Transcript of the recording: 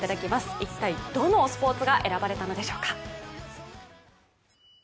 一体、どのスポーツが選ばれたのでしょうか。